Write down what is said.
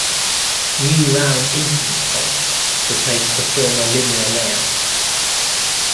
New round instrument pods replaced the former linear layout.